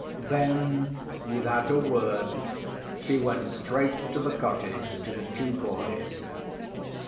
Then, without a word, she went straight to the cottage to the two boys.